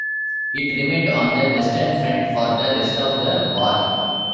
It remained on the Western Front for the rest of the war.